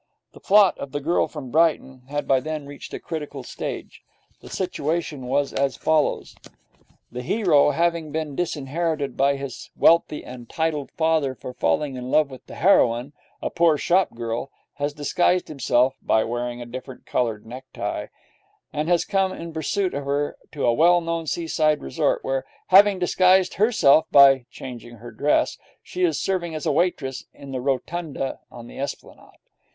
The plot of 'The Girl From Brighton' had by then reached a critical stage. The situation was as follows: The hero, having been disinherited by his wealthy and titled father for falling in love with the heroine, a poor shop girl, has disguised himself (by wearing a different coloured necktie) and has come in pursuit of her to a well known seaside resort, where, having disguised herself by changing her dress, she is serving as a waitress in the Rotunda, on the Esplanade.